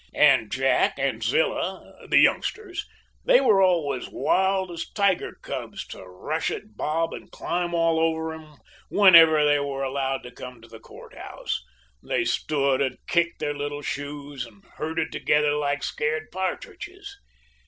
And Jack and Zilla the youngsters they were always wild as tiger cubs to rush at Bob and climb all over him whenever they were allowed to come to the court house they stood and kicked their little shoes, and herded together like scared partridges.